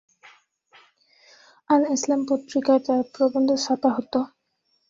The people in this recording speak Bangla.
আল-এসলাম পত্রিকায় তার প্রবন্ধ ছাপা হত।